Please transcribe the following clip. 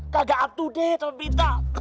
kagak up to date tapi tak